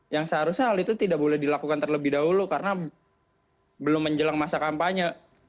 yang seharusnya hal itu tidak boleh dilakukan terlebih dahulu karena belum menjelang masa kampanye